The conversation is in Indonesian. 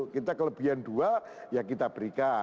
kita kelebihan dua ya kita berikan